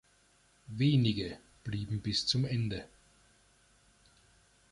Wenige blieben bis zum Ende.